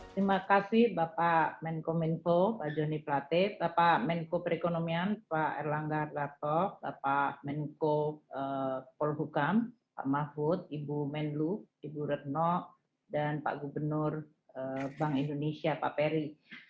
terima kasih bapak menkominfo pak joni plate bapak menko perekonomian pak erlangga lato bapak menko polhukam pak mahfud ibu menlu ibu retno dan pak gubernur bank indonesia pak peri